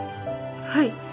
はい。